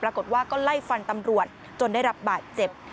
ปรากฏว่าก็ไล่ฟันตำรวจจนได้รับบาดเจ็บ